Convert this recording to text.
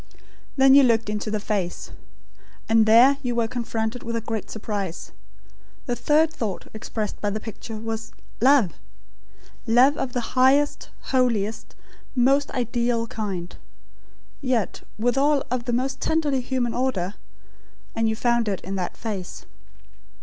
Then you looked into the face. And there you were confronted with a great surprise. The third thought expressed by the picture was Love love, of the highest, holiest, most ideal, kind; yet, withal, of the most tenderly human order; and you found it in that face.